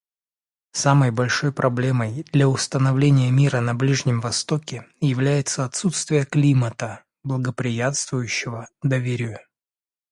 Самой большой проблемой для установления мира на Ближнем Востоке является отсутствие климата, благоприятствующего доверию.